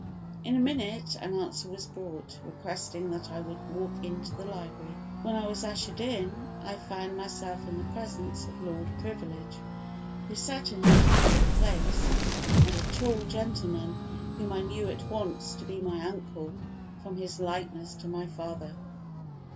In a minute, an answer was brought, requesting that I would walk into the library. When I was ushered in, I found myself in the presence of Lord Privilege, who sat in his usual place, and a tall gentleman, whom I knew at once to be my uncle, from his likeness to my father.